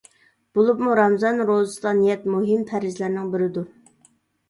بولۇپمۇ رامىزان روزىسىدا نىيەت مۇھىم پەرزلەرنىڭ بىرىدۇر.